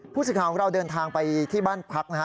สิทธิ์ของเราเดินทางไปที่บ้านพักนะฮะ